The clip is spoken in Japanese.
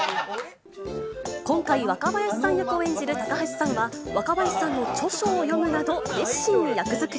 今回、若林さんを演じる高橋さんは、若林さんの著書を読むなど、熱心に役作り。